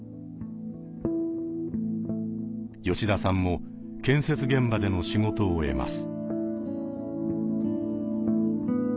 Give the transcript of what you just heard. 吉田さんも建設現場での仕事を得ます。